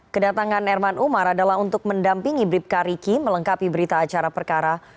kedatangan erman umar adalah untuk mendampingi bribka riki melengkapi berita acara perkara